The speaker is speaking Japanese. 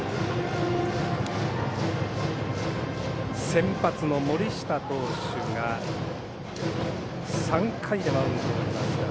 先発の森下投手が３回でマウンドを降りました。